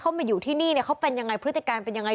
เขามาอยู่ที่นี่เนี่ยเขาเป็นยังไงพฤติการเป็นยังไง